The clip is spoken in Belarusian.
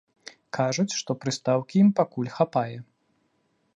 Кажуць, што прыстаўкі ім пакуль хапае.